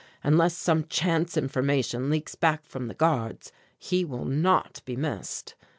Unless some chance information leaks back from the guards, he will not be missed.